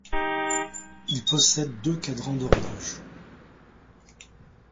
Il possède deux cadrans d'horloge.